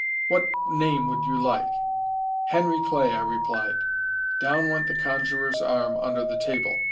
What name would you like?" "Henry Clay," I replied. Down went the conjurer's arm under the table.